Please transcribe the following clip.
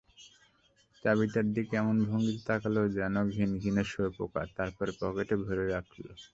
চাবিটার দিকে এমন ভঙ্গিতে তাকাল, যেন ঘিনঘিনে শুঁয়োপোকা, তারপর পকেটে ভরে রাখল।